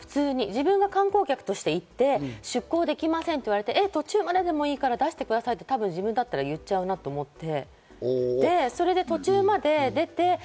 自分が観光客として行って出航できませんって言われて、途中まででもいいから出してくださいって多分自分だったら行っちゃうなと思って。